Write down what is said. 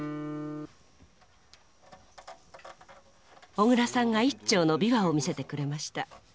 小椋さんが１丁の琵琶を見せてくれました。